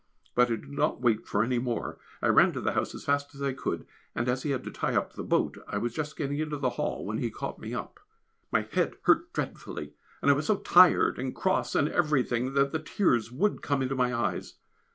but I did not wait for any more. I ran to the house as fast as I could, and as he had to tie up the boat, I was just getting into the hall when he caught me up. My head hurt dreadfully, and I was so tired and cross, and everything, that the tears would come into my eyes.